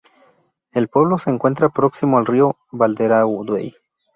El pueblo se encuentra próximo al río Valderaduey.